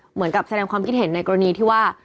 เหมือนกับแสดงความคิดเห็นในกรณีที่ว่า